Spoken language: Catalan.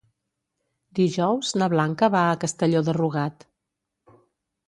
Dijous na Blanca va a Castelló de Rugat.